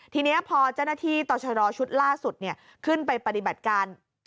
ทีนี้พอเจ้าหน้าที่ต่อชะรอชุดล่าสุดขึ้นไปปฏิบัติการ